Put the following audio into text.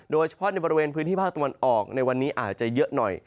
โดยเฉพาะในบริเวณพื้นที่ภาคตะวันออกในวันนี้อาจจะเยอะหน่อย